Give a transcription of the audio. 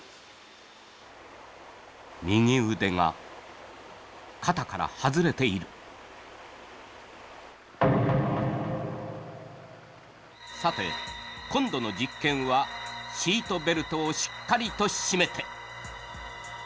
右腕が肩から外れているさて今度の実験はシートベルトをしっかりと締めて。